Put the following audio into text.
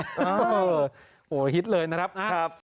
โอ้โหฮิตเลยนะครับ